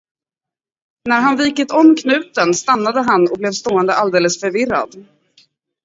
När han vikit om knuten, stannade han och blev stående alldeles förvirrad.